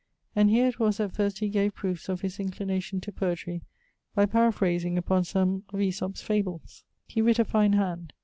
And here it was that first he gave proofs of his inclination to poetry, by paraphrasing upon some of Æsop's fables. (He writt a fine hand.)